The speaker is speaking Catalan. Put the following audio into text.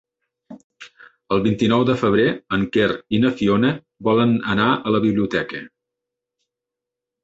El vint-i-nou de febrer en Quer i na Fiona volen anar a la biblioteca.